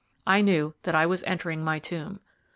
I knew that I was entering my tomb.